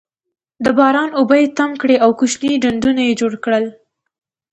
د باران اوبه یې تم کړې او کوچني ډنډونه یې جوړ کړل.